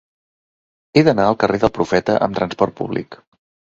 He d'anar al carrer del Profeta amb trasport públic.